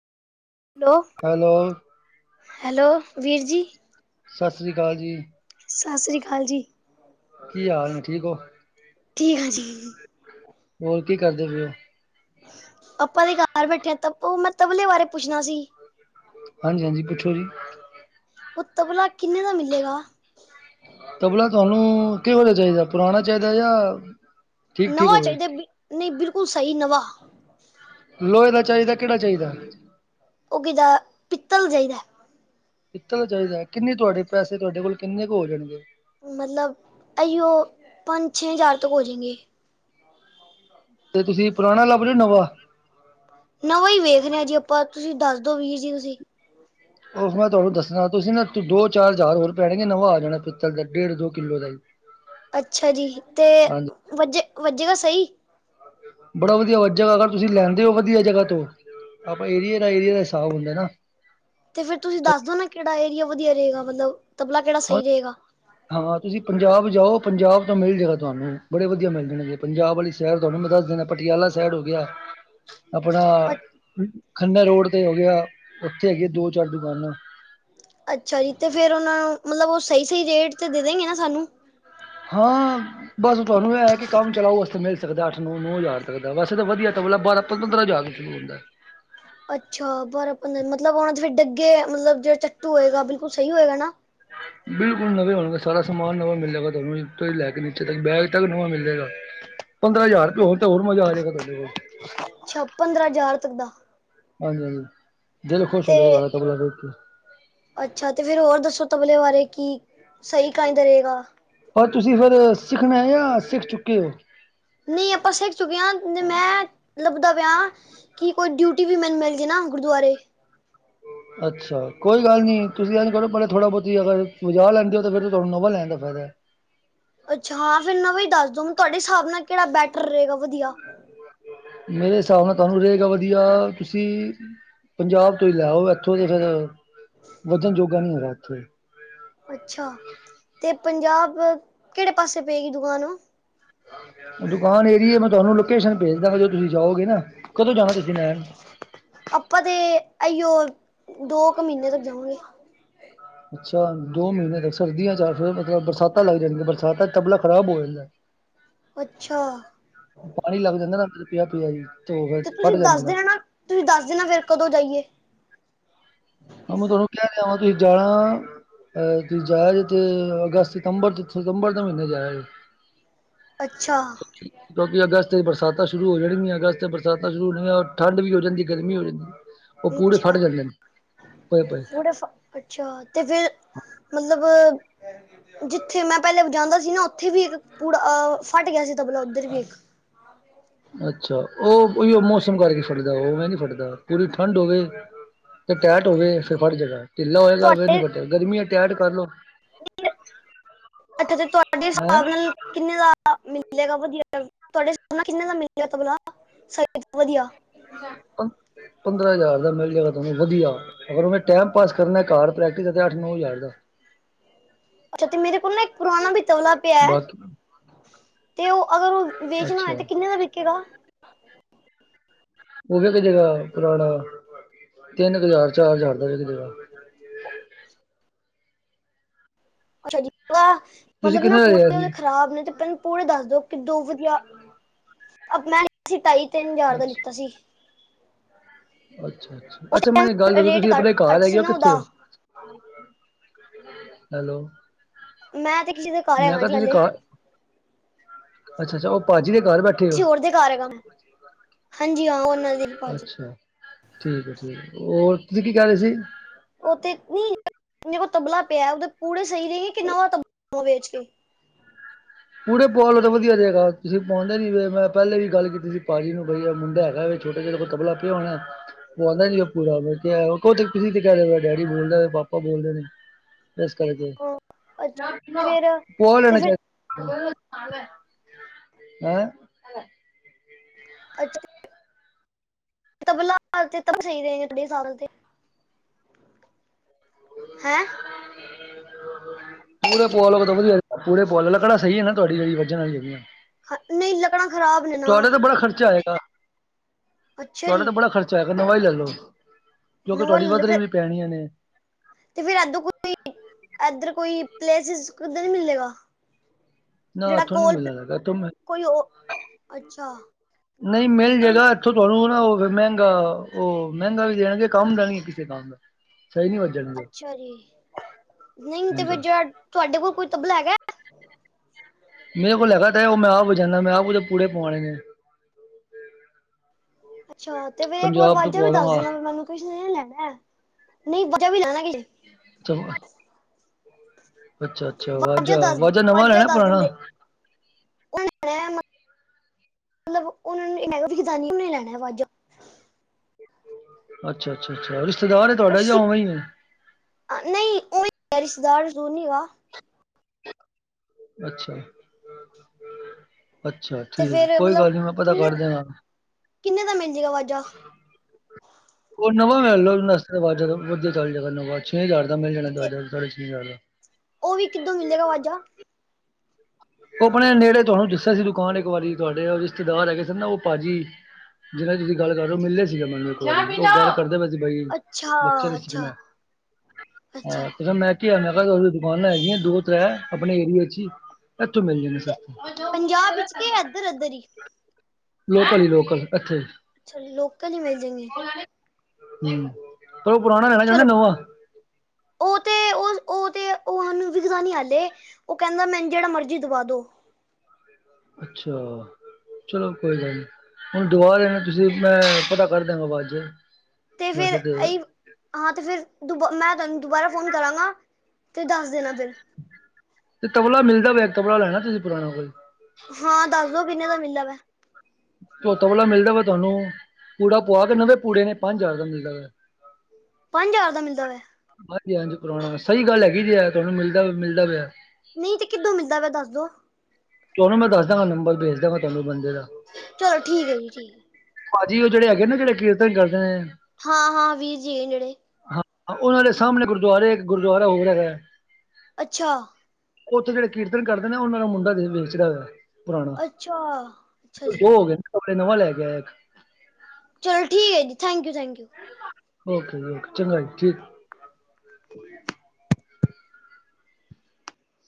Hello. Hello. Hello ਵੀਰ ਜੀ। ਸਤਿ ਸ੍ਰੀ ਅਕਾਲ ਜੀ ਸਤਿ ਸ੍ਰੀ ਅਕਾਲ ਜੀ, ਕੀ ਹਾਲ ਏ ਠੀਕ ਹੋ ਠੀਕ ਆ ਜੀ। ਹੋਰ ਕੀ ਕਰਦੇ ਪਏਓ। ਆਪਾਂ ਤੇ ਘਰ ਬੈਠੇ ਆ ਤੱਪੂ ਮੈਂ ਤਬਲੇ ਬਾਰੇ ਪੁੱਛਣਾ ਸੀ। ਹਾਂਜੀ- ਹਾਂਜੀ ਪੁੱਛੋ ਜੀ। ਉਹ ਤਬਲਾ ਕਿੰਨੇ ਦਾ ਮਿਲੇਗਾ। ਤਬਲਾ ਤੁਹਾਨੂੰ ਕਿਹੋ ਜਿਹਾ ਚਾਹੀਦਾ ਪੁਰਾਣਾ ਚਾਹੀਦਾ ਜਾਂ ਠੀਕ ਠੀਕ ਨਵਾਂ ਹੋਵੇ ਚਾਹੀਦਾ ਨਹੀਂ ਬਿਲਕੁਲ ਸਹੀ ਨਵਾ ਲੋਹੇ ਦਾ ਚਾਹੀਦਾ ਕਿਹੜਾ ਚਾਹੀਦਾ। ਉਹ ਕਿੱਦਾਂ ਪਿੱਤਲ ਚਾਹੀਦਾ। ਪਿੱਤਲ ਚਾਹੀਦਾ ਕਿੰਨੇ ਤੁਹਾਡੇ ਪੈਸੇ ਤੁਹਾਡੇ ਕੋਲ ਕਿੰਨੇ ਕੁ ਹੋ ਜਾਣਗੇ। ਮਤਲਬ ਅਈਓ ਪੰਜ-ਛੇ ਹਜ਼ਾਰ ਤੋਂ ਹੋ ਜਾਏਗੇ। ਤੇ ਤੁਸੀਂ ਪੁਰਾਣਾ ਲੱਭ ਰਹੇਓ ਕੇ ਨਵਾਂ ਨਵਾਂ ਹੀ ਵੇਖਦੇ ਹਾਂ ਜੀ ਆਪਾਂ ਤੁਸੀਂ ਦੱਸ ਦੋ ਵੀਰ ਜੀ ਤੁਸੀਂ ਉਹੋ ਮੈਂ ਤੁਹਾਨੂੰ ਦੱਸਣਾ ਤੁਸੀ ਨਾ ਦੋ-ਚਾਰ ਹਜ਼ਾਰ ਹੋਰ ਪੈਣਗੇ ਨਵਾਂ ਆ ਜਾਣਾ ਪਿੱਤਲ ਦਾ ਡੇਢ ਦੋ ਕਿੱਲੋ ਦਾ ਜੀ ਅੱਛਾ ਜੀ ਤੇ ਹਾਂਜੀ ਵੱਜੇ- ਵੱਜੇਗਾ ਸਹੀ। ਬੜਾ ਵਧੀਆ ਵਜੇ ਗ੍ਹਾ ਅਗਰ ਤੁਸੀਂ ਲੈਂਦੇ ਹੋ ਵਧੀਆ ਜਗ੍ਹਾ ਤੋਂ ਆਪਾਂ ਏਰੀਏ ਦਾ ਏਰੀਏ ਦਾ ਹਿਸਾਬ ਹੁੰਦਾ ਨਾ ਤੇ ਫਿਰ ਤੁਸੀਂ ਦੱਸ ਦੋ ਨਾ ਕਿਹੜਾ ਏਰੀਆ ਵਧੀਆ ਰਹੇਗਾ ਮਤਲਬ ਤਬਲਾ ਕਿਹੜਾ ਨਾ ਸਹੀ ਰਹੇਗਾ। ਹਾਂ ਤੁਸੀਂ ਪੰਜਾਬ ਜਾਓ ਪੰਜਾਬ ਤੋਂ ਮਿਲ ਜਏਗਾ ਤੁਹਾਨੂੰ ਬੜੇ ਵਧੀਆ ਮਿਲ ਜਾਣਗੇ। ਪੰਜਾਬ ਵਾਲੀ ਸ਼ਹਿਰ ਤੁਹਾਨੂੰ ਮੈਂ ਦੱਸ ਦੇਣਾ ਪਟਿਆਲਾ ਸ਼ਹਿਰ ਹੋ ਗਿਆ। ਆਪਣਾ ਖੰਨਾ ਰੋਡ ਤੇ ਹੋ ਗਿਆ ਉੱਥੇ ਹੈਗੇ ਆ ਦੋ-ਚਾਰ ਦੁਕਾਨਾਂ ਅੱਛਾ ਜੀ ਤੇ ਫੇਰ ਉਹ ਨੂੰ ਮਤਲਬ ਉਹ ਸਹੀ-ਸਹੀ ਰੇਟ ਤੇ ਦੇ ਦੇਣਗੇ ਨਾ ਸਾਨੂੰ ਹਾਂ ਬਸ ਤੁਹਾਨੂੰ ਇਹ ਹੈ ਕਿ ਕੰਮ ਚਲਾਓ ਵਾਸਤੇ ਮਿਲ ਸਕਦਾ ਅੱਠ- ਨੌ -ਨੌ ਹਜ਼ਾਰ ਤੱਕ ਦਾ ਵੈਸੇ ਤਾਂ ਵਧੀਆ ਤਬਲਾ ਬਾਰਾਂ, ਪੰਦਰਾਂ ਹਜ਼ਾਰ ਤੋਂ ਸ਼ੁਰੂ ਹੁੰਦਾ। ਅੱਛਾ ਬਾਰਾਂ, ਪੰਦਰਾਂ ਮਤਲਬ ਉਹਨਾ ਦੇ ਫਿਰ ਡੱਗੇ ਆ ਮਤਲਬ ਦੇ ਚੱਟੂ ਹੋਏਗਾ ਬਿਲਕੁਲ ਸਹੀ ਹੋਏਗਾ ਨਾ। ਬਿਲਕੁੱਲ ਨਵੇਂ ਹੋਣਗੇ ਸਾਰਾ ਸਮਾਨ ਨਵਾਂ ਮਿਲ ਜਾਏਗਾ ਤੁਹਾਨੂੰ ਤੋਂ ਹੀ ਲੈ ਕੇ ਨੀਚੇ ਤੱਕ ਬੈਗ ਤੱਕ ਨਵਾਂ ਮਿਲ ਜਾਏਗਾ। ਪੰਦਰਾਂ ਹਜ਼ਾਰ ਰੁਪਏ ਹੋਣ ਤੇ ਹੋਰ ਮਜ਼ਾ ਆ ਜਾਏਗਾ ਤੁਹਾਡੇ ਕੋਲ ਅੱਛਾ, ਪੰਦਰਾਂ ਹਜ਼ਾਰ ਤੱਕ ਦਾ। ਹਾਂਜੀ -ਹਾਂਜੀ ਦਿਲ ਖੁਸ਼ ਹੋ ਜਾਏਗਾ ਤੇ ਤੁਹਾਡਾ ਤਪਲਾ ਦੇਖ ਕੇ ਅੱਛਾ ਤੇ ਫਿਰ ਹੋਰ ਦੱਸੋ ਤਬਲੇ ਬਾਰੇ, ਕੀ ਸਹੀ ਕਿੱਦਾਂ ਦਾ ਰਹੇਗਾ। ਪਰ ਤੁਸੀਂ ਫਿਰ ਸਿੱਖਣਾ ਹੈ ਜਾਂ ਸਿੱਖ ਚੁੱਕੇ ਹੋ। ਨਹੀਂ ਆਪਾਂ ਸਿੱਖ ਚੁੱਕੇ ਹਾਂ ਮੈਂ ਲੱਭਦਾ ਪਿਆ। ਕੀ ਕੋਈ ਡਿਊਟੀ ਵੀ ਮੈਨੂੰ ਮਿਲ ਜੇ ਨਾ ਗੁਰਦੁਆਰੇ ਅੱਛਾ ਕੋਈ ਗੱਲ ਨਹੀਂ ਤੁਸੀਂ ਉਹਨੂੰ ਕਹੋ ਪਹਿਲੇ ਥੋੜ੍ਹਾ ਬਹੁਤੀ ਅਗਰ ਵਜਾਅ ਲੈਂਦੇ ਹੋ ਫਿਰ ਤੁਹਾਨੂੰ ਨਵਾ ਲੈਣ ਦਾ ਫਾਇਦਾ। ਅੱਛਾ ਹਾ ਫਿਰ ਨਵਾ ਈ ਦੱਸਦੂ ਦ ਤੁਹਾਡੇ ਹਿਸਾਬ ਨਾਲ ਕਿਹੜਾ ਬੈਟਰ ਰਹੇਗਾ ਵਧੀਆ। ਮੇਰੇ ਹਿਸਾਬ ਨਾਲ ਤੁਹਾਨੂੰ ਰਹੇਗਾ ਵਧੀਆ ਤੁਸੀਂ ਪੰਜਾਬ ਤੋਂ ਹੀ ਲੈ ਆਓ ਇਥੋਂ ਤੇ ਫਿਰ, ਵਧਣ ਜੋਗਾ ਨੀ ਹੈਗਾ ਇੱਥੇ ਅੱਛਾ ਅਤੇ ਪੰਜਾਬ ਕਿਹੜੇ ਪਾਸੇ ਪਏਗੀ ਦੁਕਾਨ ਦੁਕਾਨ ਏਰੀਏ ਮੈਂ ਤੁਹਾਨੂੰ ਲੋਕੇਸ਼ਨ ਭੇਜ ਦਾਂਗਾ ਜਦੋਂ ਤੁਸੀਂ ਜਾਓਗੇ ਨਾ ਕਦੋਂ ਜਾਣਾ ਤੁਸੀਂ ਲੈਣ ਆਪਾਂ ਤੇ ਅਹੀਓ ਦੋ ਕੁ ਮਹੀਨੇ ਤੱਕ ਜਾਵਾਂਗੇ। ਅੱਛਾ ਦੋ ਮਹੀਨੇ ਤੱਕ ਸਰਦੀਆਂ 'ਚ' ਆ ਫਿਰ ਮਤਲਬ ਬਰਸਾਤਾਂ ਲੱਗ ਜਾਣਗੀਆਂ ਬਰਸਾਤਾਂ 'ਚ'ਤਬਲਾ ਖਰਾਬ ਹੋ ਜਾਂਦਾ। [inaudible] ਅੱਛਾ। ਪਾਣੀ ਲੱਗ ਜਾਂਦਾ ਨਾ ਪਿਆ -ਪਿਆ ਈ ਤੇ ਤੁਸੀਂ ਦੱਸ ਦੇਣਾ- ਨਾ ਤੁਸੀਂ ਦੱਸ ਦੇਣਾ ਫਿਰ ਕਦੋਂ ਜਾਈਏ। ਆ ਮੈਂ ਤੁਹਨੂੰ ਕਿਆ ਤੇ ਹੈਗਾ ਤੁਸੀਂ ਜਾਣਾ ਤੁੂੰ ਜਾਇਆ ਜੇ ਤੇ ਅਗਸਤ, ਸਤੰਬਰ ਤੇ ਸਤੰਬਰ ਦੇ ਮਹੀਨੇ ਜਾਇਆ ਦੇ। ਅੱਛਾ। ਕਿਉਂਕਿ, ਅਗਸਤ 'ਚ'ਬਰਸਾਤਾਂ ਸ਼ੁਰੂ ਹੋ ਜਾਣਗੀਆਂ ਅਗਸਤ ਬਰਾਤਾਂ ਸ਼ੁਰੂ ਹੋਣੀਆਂ ਔਰ ਠੰਡ ਵੀ ਜਾਂਦੀ ਗਰਮੀ ਹੋ ਜਾਂਦੀ। ਉਹ ਅੱਛਾ [unintelligible] ਜਾਂਦੇ ਨੇ ਪਏ ਪਏ [unintelligible] ਅੱਛਾ ਤੇ ਫਿਰ ਮਤਲਬ ਜਿੱਥੇ ਮੈਂ ਪਹਿਲੇ ਜਾਂਦਾ ਸੀ ਨਾ ਉੱਥੇ ਵੀ ਇੱਕ ਪੂੜਾ ਫਟ ਗਿਆ ਸੀ ਤਬਲਾ ਉੱਧਰ ਵੀ ਇੱਕ। ਅੱਛਾ, ਉਹ ਉਹੀਓ ਮੌਸਮ ਕਰਕੇ ਫਟਦਾ ਉਵੇ ਨੀ ਫਟਦਾ ਪੂਰੀ ਠੰਡ ਹੋਵੇ। ਤੇ ਟੈਟ ਹੋਵੇ ਫਿਰ ਖੜ ਜੇਗਾ ਢਿੱਲਾ ਹੋਏਗਾ ਫਿਰ ਨੀ ਤੁਹਾਡੇ ਖੜ ਗਾ ਗਰਮੀ ਐ ਟੈਟ ਕਰਲੋ। [unintelligible] ਅੱਛਾ ਤੇ ਤੁਹਾਡੀ ਹੈਂ ਹਿਸਾਬ ਨਾਲ [unintelligible] ਪੰਦਰਾਂ ਹਜ਼ਾਰ ਦਾ ਮਿਲ ਜਾਏਗਾ ਤੁਹਾਨੂੰ ਵਧੀਆ। ਅਗਰ ਟੈਮ, ਪਾਸ ਕਰਨਾ ਘਰ ਪ੍ਰੈਕਟਿਸ ਅੱਠ ਨੌ ਹਜ਼ਾਰ ਦਾ ਅੱਛਾ, ਤੇ ਮੇਰੇ ਕੋਲ ਨਾ ਇੱਕ ਪੁਰਾਣਾ ਵੀ ਤਬਲਾ ਪਿਆ ਬਾਕੀ ਤੇ ਉਹ ਅਗਰ ਉਹ ਵੇਚਣਾ ਹੈ ਅੱਛਾ ਤੇ ਕਿੰਨੇ ਦਾ ਵਿਕੇਗਾ? ਉਹ ਵਿਕ ਜਗਾ ਪੁਰਾਣਾ ਤਿੰਨ ਹਜ਼ਾਰ, ਚਾਰ ਹਜ਼ਾਰ ਦਾ ਵਿਕ ਜਾਏਗਾ। ਅੱਛਾ ਜੀ, ਜਿਕਾਂ ਤੁਸੀਂ ਮਤਲਬ ਨਾ ਕਿੰਨੇ ਦਾ ਲਿਆ ਪੂਟੈ ਉਹਦੇ ਸੀ ਖ਼ਰਾਬ ਨੇ ਤੇ ਤੈਨੂੰ ਪੂਰੇ ਦੱਸ ਦੋ ਕਿਦੋ ਵਧੀਆ ਮੈਂ ਸੀ ਤਈ ਤਿੰਨ ਹਜ਼ਾਰ ਦਾ ਅੱਛਾ ਲਿੱਤਾ ਸੀ। ਅੱਛਾ, ਉਸ ਅੱਛਾ-ਅੱਛਾ ਟਾਈਮ ਮੈਨੂੰ ਇੱਕ ਗੱਲ ਦੱਸੋ? ਰੇਟ ਤੁਸੀਂ ਘੱਟ ਆਪਣੇ ਘਰ ਘੱਟ ਹੈਗੇ ਸੀ ਹੋ ਨਾ ਕਿੱਥੇ ਉਹਦਾ ਹੋ? [unintelligible] ਹੈਲੋ ਮੈਂ ਤੇ ਕਿਸੇ ਦੇ ਘਰ ਮੈਂ ਹੈਗਾ ਕਿਹਾ ਜੀ ਹਾਲੇ। ਅੱਛਾ-ਅੱਛਾ ਉਹ ਭਾਅਜੀ ਦੇ ਘਰ ਬੈਠੇ ਹੋ। [unintelligible] ਹਾਂਜੀ ਹਾਂ ਉਹ ਅੱਛਾ, ਠੀਕ ਐ ਠੀਕ ਐ ਹੋਰ ਤੁਸੀਂ ਕੀ ਕਹਿ ਰਹੇ ਸੀ। ਉਹ ਤੇ ਨੀ ਕੋ ਤਬਲਾ ਪਿਆ ਉਹਦੇ ਪੂੜੇ ਸਹੀ ਨੇ ਗੀ ਕਿੰਨਾ ਉਹ ਤਬਲਾ ਵੇਚ ਕੇ। ਪੂੜੇ ਪਵਾ ਲੋ ਤਾਂ ਵਧੀਆ ਰਹੇਗਾ। ਤੁਸੀਂ ਪਵਾਂਦੇ ਨੀ। ਮੈਂ ਪਹਿਲੇ ਵੀ ਗੱਲ ਕੀਤੀ ਸੀ ਭਾਜੀ ਨੂੰ ਵਧੀਆ ਮੁੰਡਾ ਹੈਗਾ ਵੇ। ਛੋਟਾ ਜਿਹਾ ਕੋ ਤਬਲਾ ਪਿਆ ਹੋਣਾ ਆ। ਪਵਾਂਦਾ ਨੀ ਪੂਰਾ ਮੈਂ ਕਿਹਾ ਤੁਸੀਂ ਤੇ ਕਹਿ ਰਹੇਂ ਓ ਡੈਡੀ ਬੋਲਦੀ ਨੇੇ ਪਾਪਾ ਬੋਲਦੇ ਨੇ। ਇਸ ਕਰਕੇ ਹਾਂ ਅੱਛਾ ਫਿਰ ਪਵਾ ਤੇ ਲੈਣੇ ਆ ਫਿਰ ਚਲ। [unintelligible] ਹੈਂ [unintelligible] ਹੈਂ। ਵਾਹਿਗੁਰੂ। ਪੂੜੇ ਪੁਆ ਲੋ ਗੇ ਤਾ ਵਧੀਆ। ਪੂੜੇ ਪੁਆ ਲੈਣਾ ਮੈ ਕਿਹਨਾ ਸਹੀ ਐ ਨਾ ਤੁਹਾਡੀ ਜਿਹੜੀ ਵੱਜਣ ਵਾਲੀ ਹੈਗੀ। ਨਹੀਂ ਲੱਕੜਾਂ ਖਰਾਬ ਨੇ [inaudible] ਨਾ ਤੁਹਾਡਾ ਤਾਂ ਬੜਾ ਖ਼ਰਚਾ ਆਏਗਾ। ਅੱਛਾ ਤੁਹਾਡਾ ਜੀ ਤਾਂ ਬੜਾ ਖਰਚਾ ਆਏਗਾ ਨਵਾ ਹੀ ਲੈ ਲਓ। ਕਿਉਂਕਿ ਇਨੋਵਾ ਤੁਹਾਡੀ ਲੈ ਲਓ ਵੱਧ ਫਿਰ ਰਹੀ ਪੈਣੀਆਂ ਨੇ। ਤੇ ਫਿਰ ਇਧ ਕੋਈ ਇਧਰ ਕੋਈ ਪਲੇਸ਼ ਉਧ ਨੀ ਮਿਲੇਗਾ। ਨਾ ਜਿਹੜਾ ਇੱਥੋ ਨੀ ਕੋਲ ਮਿਲੇ ਗਾ। ਕੋਈ ਉਹ [unintelligible] ਅੱਛਾ ਨਹੀਂ ਮਿਲ ਤੇ ਜਾਏਗਾ। ਉੱਥੋਂ ਤੁਹਾਨੂੰ ਨਾ ਉਹ ਮਹਿੰਗਾ ਉਹ ਮਹਿੰਗਾ ਵੀ ਦੇਣਗੇ ਕੰਮ ਦਾ ਨੀ ਕਿਸੇ ਦਾ। ਸਹੀ ਨੀ ਹੋਏਗਾ। ਅੱਛਾ ਜੀ, ਨਹੀਂ ਤੇ ਫਿਰ ਹਾਂਜੀ। ਜਿਹੜਾ ਤੁਹਾਡੇ ਕੋਲ ਕੋਈ ਤਬਲਾ ਹੈਗਾ। ਮੇਰੇ ਕੋਲ ਹੈਗਾ ਤਾਂ ਐ। ਉਹ ਮੈਂ ਆਪ ਵਜਾਣਾ ਮੈਂ ਆਪ ਉਹਦੇ ਪੂੜੇ ਪਾਆਉਣੇ ਨੇ। ਅੱਛਾ ਤੇ ਫੇਰ ਇੱਕ ਵਾਰ ਪੰਜਾਬ ਤੋਂ ਵਾਜਾ ਵੀ ਦੱਸ ਪਵਾਵਾਂਗਾ। ਦੇਣਾ ਮੈਨੂੰ ਕਿਸ ਲੈਣਾ। ਨਹੀਂ ਵਾਜਾ ਵੀ ਲੈ ਲਾ ਗੇ ਜੀ। ਚਲੋ ਹੁਣ ਅੱਛਾ-ਅੱਛਾ ਵਾਜਾ, ਦੱਸ ਵਾਜਾ ਨਵਾਂ ਲੈਣਾ ਅ ਦੱਸ ਪੁਰਾਣਾ। ਦਿੰਦੇ ਉਹ ਲੈਣਾ, [unintelligible] ਉਹੀ ਲੈਣਾ ਵਾਜਾ। ਅੱਛਾ, ਅੱਛਾ, ਅੱਛਾ- ਅੱਛਾ ਰਿਸ਼ਤੇਦਾਰ ਉਹ ਤੁਹਾਡਾ ਜਾਂ ਉਵੇਂ ਐ। ਨਹੀਂ ਉਵੇਂ ਈ ਆ ਰਿਸ਼ਤੇਦਾਰ ਦੂਰ ਨੀ ਹੈਗਾ। [unintelligible] ਅੱਛਾ ਅੱਛਾ ਤੇ ਠੀਕ ਫੇਰ ਕੋਈ ਗੱਲ ਮਤਲਬ ਨੀ ਮੈਂ ਪਤਾ ਕਿੰਨੇ ਕਰ ਦੇਗਾ। ਕਿੰਨੇ ਦਾ ਮਿਲ ਜੇ ਗਾ ਵਾਜਾ। ਉਹ ਨਵਾਂ ਮਿਲ ਲਓ ਵਾਜ਼ਾ ਵਧੀਆ ਚੱਲ ਜਾਗਾ ਨਵਾਂ ਛੇ ਹਜ਼ਾਰ ਦਾ ਮਿਲ ਜਾਣਾ ਤੇ ਵਾਜ਼ਾ ਸਾਢੇ ਛੇ ਹਜ਼ਾਰ ਦਾ। ਉਹ ਵੀ ਕਿੱਦੋਂ ਮਿਲੇਗਾ ਵਾਜਾ? ਉਹ ਆਪਣੇ ਨੇੜੇ ਤੁਹਾਨੂੰ ਦੱਸਿਆ ਸੀ ਦੁਕਾਨ ਇੱਕ ਵਾਰੀ ਤੁਹਾਡੇ ਰਿਸ਼ਤੇਦਾਰ ਹੈਗੇ ਸ ਨਾ। ਉਹ ਭਾਜੀ ਜਿੰਨਾ ਦੀ ਤੁਸੀਂ ਗੱਲ ਕਰਦੇ ਹੋ ਮਿਲੇ ਸੀਗੇ। ਚਾਹ ਪੀ ਲੋ। ਮੈਨੂੰ ਗੱਲ ਕਰਦੇ ਪਏ ਸੀ। ਬਾਈ ਅੱਛਾ ਬੱਚਾ ਨਹੀਂ ਸੀ ਅੱਛਾ ਮੈਂ ਅੱਛਾ [unintelligible] ਤੇ ਮੈਂ ਮੈਂ ਕਿਹਾ ਤੁਹਾਡੇ ਦੁਕਾਨਾਂ ਹੈਗੀਆਂ ਦੋ ਤੈ ਆਪਣੇ ਏਰੀਏ 'ਚ ਹੀ ਇੱਥੋਂ ਮਿਲ ਜਾਂਣੇ ਤੇ ਸਸਤੀ। ਪੰਜਾਬ ਵਿਚ ਕੇ ਇਧਰ- ਉਧਰ ਈ। ਲੋਕਲ ਹੀ ਲੋਕਲ ਇਥੇ ਅੱਛਾ ਲੋਕਲ ਹੀ ਮਿਲ ਜਾਏਗੀ। [unintelligible] ਤੂੰ ਪੁਰਾਣਾ ਲੈ ਕੇ ਜਾਣਾ ਚਲੋ ਜਾ ਨਵਾਂ। ਉਹ ਤੇ ਉਹ ਉਹ ਤੇ ਉਹ ਉਹਨੂੰ ਵਿਕਦਾ ਨੀ ਹਾਲੇ ਉਹ ਕਹਿੰਦਾ ਮੈਨੂੰ ਜਿਹੜਾ ਮਰਜ਼ੀ ਦਬਾ ਦੋ। ਅੱਛਾ ਚਲੋ ਕੋਈ ਗੱਲ ਨੀ ਹੁਣ ਦਬਾ ਦੇਨਾ। ਤੁਸੀਂ ਮੈਂ ਪਤਾ ਕਰ ਦਿਆਂਗਾ ਬਾਅਦ 'ਚ। ਫਿਰ ਵੈਸੇ ਤੇ ਇਹੀ ਹਾਂ ਤੇ ਫਿਰ ਦੁਬ ਮੈਂ ਤੈਨੂੰ ਦੁਬਾਰਾ ਫ਼ੋਨ ਕਰਾਂਗਾ ਤੇ ਦੱਸ ਦੇਣਾ ਫਿਰ। ਤੇ ਤਬਲਾ ਮਿਲਦਾ ਪਿਆ ਤਬਲਾ ਲੈਣਾ ਤੁਸੀਂ ਪੁਰਾਣਾ। ਹਾਂ ਦੱਸ ਦੋ ਕਿੰਨੇ ਦਾ ਮਿਲਦਾ ਵਾ। ਤਬਲਾ ਮਿਲਦਾ ਵਾ ਤੁਹਾਨੂੰ, ਕੂੜਾ ਪਆ ਨਵੇਂ ਕੂੜੇ ਨੇ ਪੰਜ ਹਜ਼ਾਰ ਦਾ ਮਿਲਦਾ ਵਾ। ਪੰਜ ਹਜ਼ਾਰ ਦਾ ਮਿਲਦਾ ਵਾ। ਹਾਂਜੀ- ਹਾਂਜੀ ਪੁਰਾਣਾ ਸਹੀ ਗੱਲ ਹੈਗੀ ਜੇ ਤੁਹਾਨੂੰ ਮਿਲਦਾ ਪਿਆ- ਮਿਲਦਾ ਪਿਆ। ਨਹੀਂ ਤੇ ਕਿੱਦੋਂ ਮਿਲਦਾ ਵ ਦੱਸ ਦੋ? ਤੁਹਾਨੂੰ ਮੈਂ ਦੱਸ ਦਾਂਗਾ ਨੰਬਰ ਵੇਜ ਦਾਂਗਾ ਤੁਹਾਨੂੰ ਬੰਦੇ ਦਾ। ਚਲੋ ਠੀਕ ਹੈ ਜੀ ਠੀਕ ਐ। ਭਾਜੀ ਉਹ ਜਿਹੜੇ ਹੈਗੇ ਨਾ ਜਿਹੜੇ ਕੀਰਤਨ ਕਰਦੇ ਨੇ। ਹਾਂ- ਹਾਂ ਵੀਰ ਜੀ ਜਿਹੜੇ ਹਾਂ ਉਹਨਾਂ ਦੇ ਸਾਹਮਣੇ ਗੁਰਦੁਆਰੇ ਗੁਰਦੁਆਰਾ ਇੱਕ ਹੋਰ ਹੈਗਾ। ਅੱਛਾ। ਉੱਥੇ ਜਿਹੜੇ ਕੀਰਤਨ ਕਰਦੇ ਨੇ ਉਹਨਾਂ ਦਾ ਮੁੰਡਾ ਵੇਚਦਾ ਗਾ। ਪੁਰਾਣਾ, ਅੱਛਾ, ਅੱਛਾ ਜੀ ਦੋ ਹੋ ਗਏ ਨਾ ਕੜੇ ਨਵਾਂ ਲੈ ਕੇ ਆ ਇੱਕ। ਚਲੋ ਠੀਕ ਐ ਜੀ thank you you- thank you. [unintelligible] Okay ਓ ਚੰਗਾ ਜੀ ਠੀਕ ਐ।